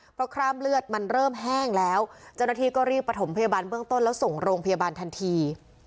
เพราะคราบเลือดมันเริ่มแห้งแล้วเจ้าหน้าที่ก็รีบประถมพยาบาลเบื้องต้นแล้วส่งโรงพยาบาลทันที